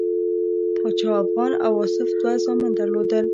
پاچا افغان او آصف دوه زامن درلودل.